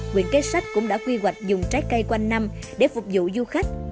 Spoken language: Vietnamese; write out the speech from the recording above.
quyện kế sách cũng đã quy hoạch dùng trái cây quanh năm để phục vụ du khách